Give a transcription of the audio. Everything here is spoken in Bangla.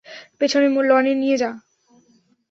পেছনের লনে নিয়ে যা!